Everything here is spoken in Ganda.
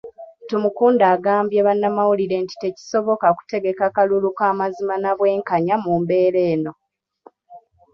Tumukunde agambye bannamawulire nti tekisoboka kutegaka kalulu k'amazima na bwenkanya mu mbeera eno.